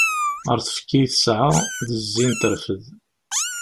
Ɣer tfekka i tesɛa d zzin terfed.